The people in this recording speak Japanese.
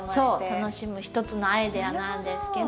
楽しむ一つのアイデアなんですけど。